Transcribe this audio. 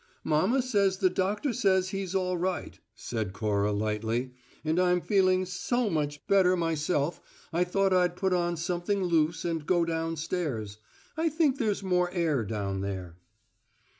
"Mamma says the doctor says he's all right," said Cora lightly, "and I'm feeling so much better myself I thought I'd put on something loose and go downstairs. I think there's more air down there."